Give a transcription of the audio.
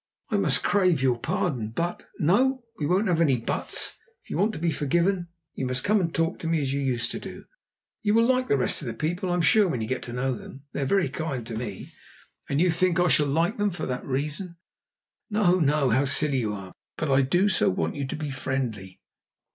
"I must crave your pardon but " "No, we won't have any 'buts.' If you want to be forgiven, you must come and talk to me as you used to do. You will like the rest of the people I'm sure when you get to know them. They are very kind to me." "And you think I shall like them for that reason?" "No, no. How silly you are. But I do so want you to be friendly."